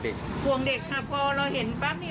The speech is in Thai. ห่วงเด็กค่ะพอเราเห็นปั๊บนี่